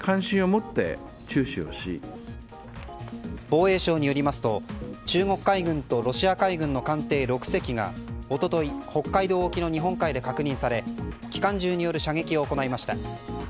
防衛省によりますと中国海軍とロシア海軍の艦艇６隻が一昨日北海道沖の日本海で確認され機関銃による射撃を行いました。